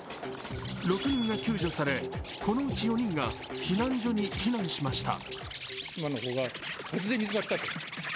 ６人が救助され、このうち４人が避難所に避難しました。